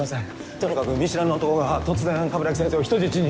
とにかく見知らぬ男が突然鏑木先生を人質に。